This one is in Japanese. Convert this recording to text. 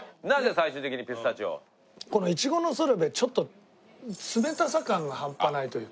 このいちごのソルベちょっと冷たさ感が半端ないというか。